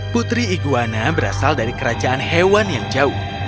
putri iguana berasal dari kerajaan hewan yang jauh